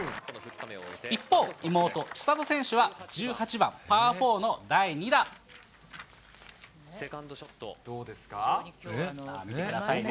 一方、妹、千怜選手は１８番パー４の第２打。さあ、見てくださいね。